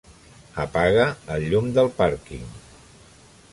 Apaga el llum del pàrquing.